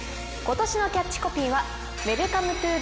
今年のキャッチコピーは。